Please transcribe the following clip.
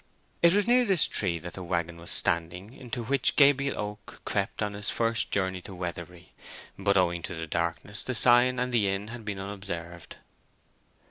It was near this tree that the waggon was standing into which Gabriel Oak crept on his first journey to Weatherbury; but, owing to the darkness, the sign and the inn had been unobserved.